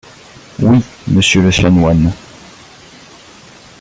Oui, monsieur le chanoine.